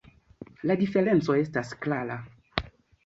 La diferenco estas klara.